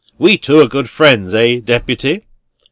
We two are good friends; eh, Deputy?"